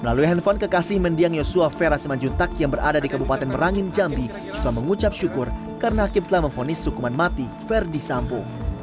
melalui handphone kekasih mendiang yosua veras semajuntak yang berada di kabupaten merangin jambi juga mengucap syukur karena hakim telah memfonis hukuman mati verdi sampo